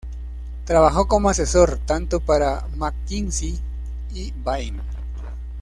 Trabajó como asesor tanto para McKinsey y Bain.